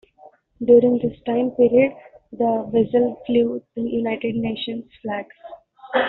During this time period, the vessel flew the United Nations flag.